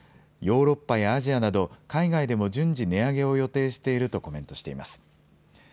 ヨーロッパやアジアなど海外でも順次、値上げを予定しているとコメントしています。